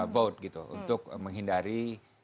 vote untuk menghindari